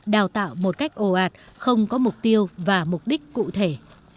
đào tạo một cách ồ ạt không có mục tiêu và mục đích cụ thể